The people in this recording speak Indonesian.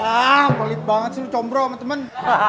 ah pelit banget sih lu combrong sama temen